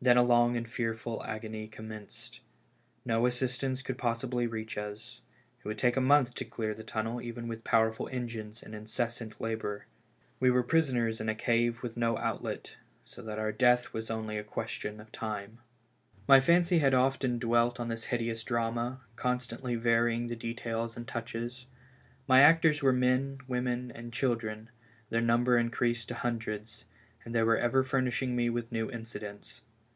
Then a long and fearful agony commenced. No assistance could possibly reach us ; it would take a month to clear the tunnel even with powerful engines and incessant labor. We were prisoners in a cave with no outlet, so that our death was only a question of time. BURIED ALIVE. 265 My fancy had often dwelt on this hideous drama, con stantly varying the details and touches. My actors were men, women and children; their number increased to hundreds, and they were ever furnishing rne with new incidents.